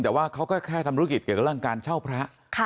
แต่ว่าเขาก็แค่ทำธุรกิจเกี่ยวกับเรื่องการเช่าพระ